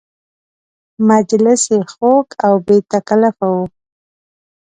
مجلس یې خوږ او بې تکلفه و.